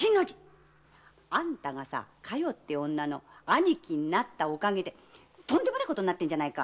あんたが佳代の兄貴になったお陰でとんでもないことになってるじゃないか！